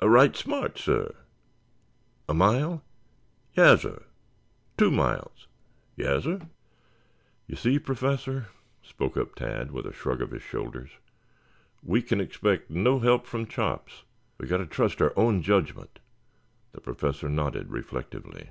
"A right smart, sah." "A mile?" "Yassir." "Two miles?" "Yassir." "You see, Professor," spoke up Tad with a shrug of the shoulders. "We can expect no help from Chops. We've got to trust to our own judgment." The Professor nodded reflectively.